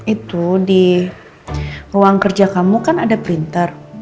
itu di ruang kerja kamu kan ada printer